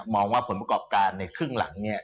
ว่าผลประกอบการในครึ่งหลังเนี่ย